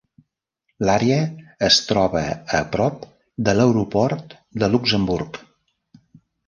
L'àrea es troba a prop de l'aeroport de Luxemburg.